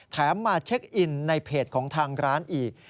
มาเช็คอินในเพจของทางร้านอีก